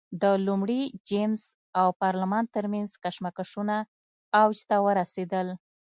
د لومړي جېمز او پارلمان ترمنځ کشمکشونه اوج ته ورسېدل.